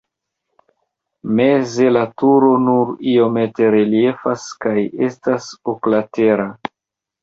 Meze la turo nur iomete reliefas kaj estas oklatera.